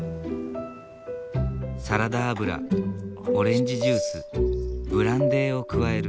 サラダ油オレンジジュースブランデーを加える。